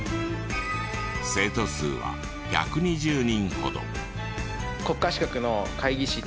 生徒数は１２０人ほど。